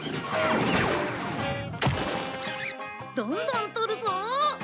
どんどんとるぞ。